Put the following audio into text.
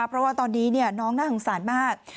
เพราะว่าตอนนี้น้องน่าสงสารมาก